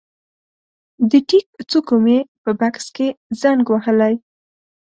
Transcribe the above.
د ټیک څوکو مې په بکس کې زنګ وهلی